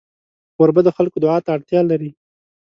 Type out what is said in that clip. کوربه د خلکو دعا ته اړتیا لري.